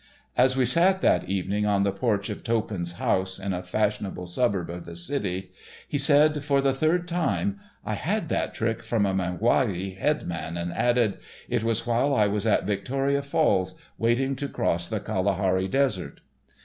As we sat that evening on the porch of Toppan's house, in a fashionable suburb of the city, he said, for the third time: "I had that trick from a Mpongwee headman," and added: "It was while I was at Victoria Falls, waiting to cross the Kalahari Desert."